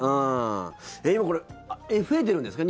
今、増えてるんですか？